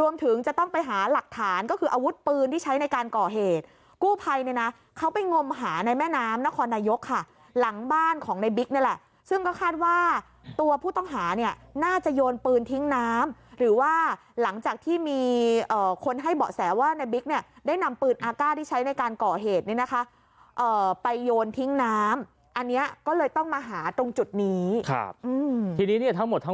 รวมถึงจะต้องไปหาหลักฐานก็คืออาวุธปืนที่ใช้ในการก่อเหตุกู้ภัยเนี่ยนะเขาไปงมหาในแม่น้ำนครนายกค่ะหลังบ้านของในบิ๊กเนี่ยแหละซึ่งก็คาดว่าตัวผู้ต้องหาน่าจะโยนปืนทิ้งน้ำหรือว่าหลังจากที่มีคนให้เบาะแสว่าในบิ๊กเนี่ยได้นำปืนอากาศที่ใช้ในการก่อเหตุไปโยนทิ้งน้ำอั